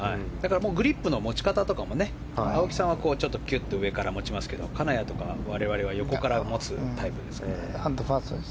グリップの持ち方とかも青木さんは上から持ちますけど金谷とか我々は横から持つタイプですね。